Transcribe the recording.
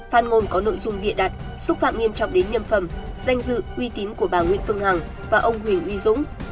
phát ngôn có nội dung bịa đặt xúc phạm nghiêm trọng đến nhân phẩm danh dự uy tín của bà nguyễn phương hằng và ông huỳnh uy dũng